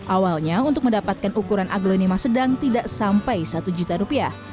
awalnya untuk mendapatkan ukuran aglonema sedang tidak sampai satu juta rupiah